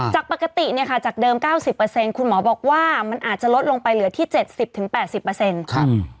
จากปกติเนี่ยค่ะจากเดิม๙๐คุณหมอบอกว่ามันอาจจะลดลงไปเหลือที่๗๐๘๐ค่ะ